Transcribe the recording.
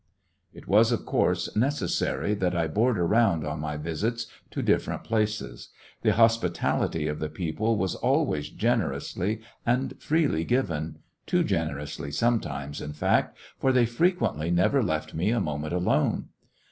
'^ It was, of course, necessary that I board Entertained by around, on my visits to different places. The '^^""^ hospitality of the people was always gener ously and freely given— too generously some times, in fact, for they frequently never left me a moment alone.